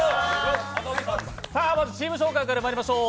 チーム紹介からまいりましょう。